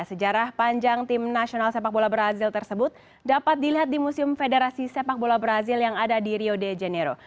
sejarah panjang tim nasional sepak bola brazil tersebut dapat dilihat di museum federasi sepak bola brazil yang ada di rio de janeiro